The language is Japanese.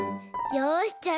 よしじゃあ